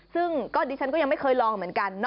ซึ่งก็ดิฉันก็ยังไม่เคยลองเหมือนกัน